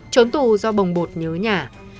trốn tù do bồng bột nhớ nhà